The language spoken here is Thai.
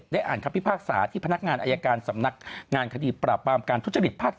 ได้อ่านครับพี่ภาคศาสตร์ที่พนักงานอายการสำนักงานคดีปราบปรามการทุจริตภาค๗